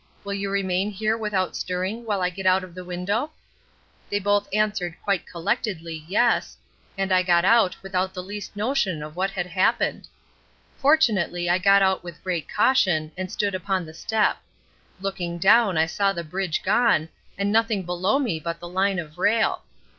Will you remain here without stirring while I get out of the window?' They both answered quite collectedly 'Yes,' and I got out without the least notion of what had happened. Fortunately I got out with great caution, and stood upon the step. Looking down I saw the bridge gone, and nothing below me but the line of rail.